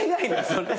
それ。